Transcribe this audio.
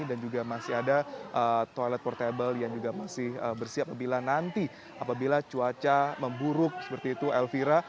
dan juga masih ada toilet portable yang juga masih bersiap apabila nanti apabila cuaca memburuk seperti itu elvira